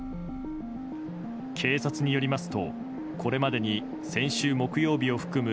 警察によりますとこれまでに先週木曜日を含む